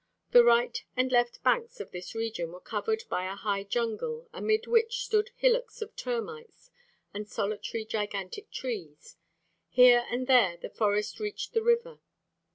The right and left banks of this region were covered by a high jungle amid which stood hillocks of termites and solitary gigantic trees; here and there the forest reached the river.